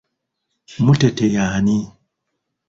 Muteete y'ani?